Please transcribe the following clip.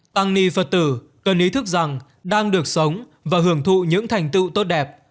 tăng ni phật tử cần ý thức rằng đang được sống và hưởng thụ những thành tựu tốt đẹp